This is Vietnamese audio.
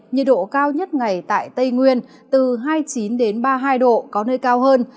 nhiệt độ cao nhất ngày tại tây nguyên từ hai mươi chín ba mươi hai độ có nơi cao hơn